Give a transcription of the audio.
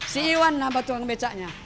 si iwan nabat tukang becanya